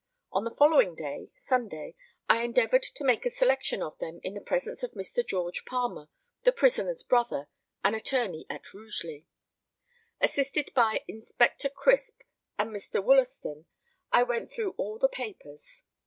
On the following day (Sunday) I endeavoured to make a selection of them in the presence of Mr. George Palmer, the prisoner's brother, an attorney at Rugeley. Assisted by Inspector Crisp and Mr. Woollaston, I went through all the papers.